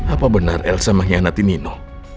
apa benar elsa mengkhianati nino